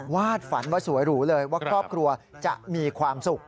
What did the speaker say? วาดฝันว่าสวยหรูเลยว่าครอบครัวจะมีความสุข